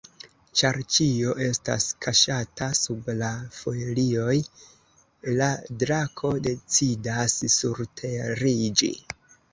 Ĉar ĉio estas kaŝata sub la folioj, la drako decidas surteriĝi.